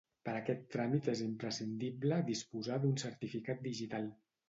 Per aquest tràmit és imprescindible disposar d'un certificat digital.